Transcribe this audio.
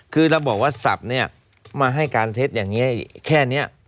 คือเราบอกว่าศัพท์เนี่ยมาให้การเท็จอย่างนี้แค่นี้